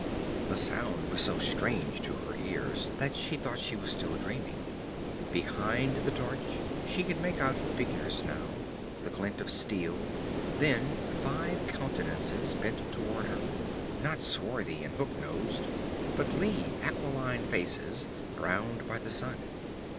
The sound was so strange to her ears that she thought she was still dreaming. Behind the torch she could make out figures now, the glint of steel, then five countenances bent toward her, not swarthy and hook nosed, but lean, aquiline faces, browned by the sun.